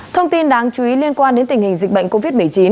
thông tin đáng chú ý liên quan đến tình hình dịch bệnh covid một mươi chín